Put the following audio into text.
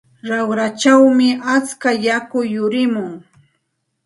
Raqrachawmi atska yaku yurimun.